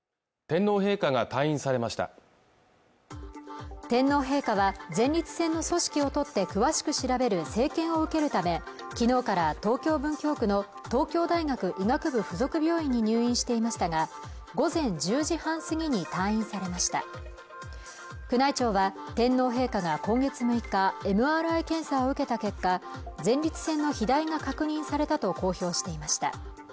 天皇陛下が退院されました天皇陛下は前立腺の組織をとって詳しく調べる生検を受けるためきのうから東京文京区の東京大学医学部附属病院に入院していましたが午前１０時半過ぎに退院されました宮内庁は天皇陛下が今月６日ＭＲＩ検査を受けた結果前立腺の肥大が確認されたと公表していました